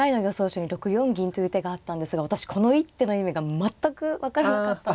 手に６四銀という手があったんですが私この一手の意味が全く分からなかったんですが。